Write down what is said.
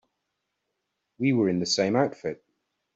We were in the same outfit.